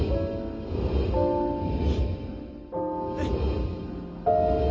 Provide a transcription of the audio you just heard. えっ